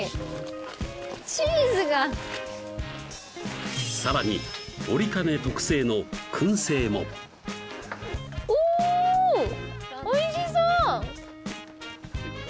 チーズがさらに折金特製の燻製もおおいしそう！